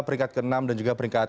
peringkat keenam dan juga peringkat